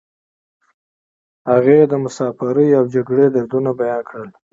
هغې د مسافرۍ او جګړې دردونه بیان کړل